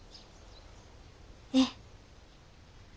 ええ。